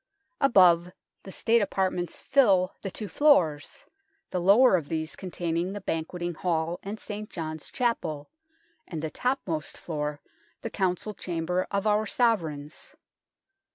Above, the State apartments fill the two floors, the lower of these containing the Banqueting Hall and St. John's Chapel, and the topmost floor the Council Chamber of our Sovereigns.